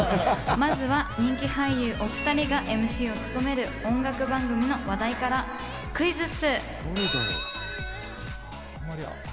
まずは人気俳優お２人がＭＣを務める音楽番組の話題からクイズッス！